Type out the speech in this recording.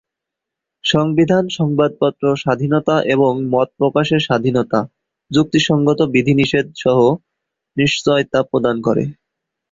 সংবিধান সংবাদপত্র স্বাধীনতা এবং মত প্রকাশের স্বাধীনতা "যুক্তিসঙ্গত বিধিনিষেধ"সহ নিশ্চয়তা প্রদান করে।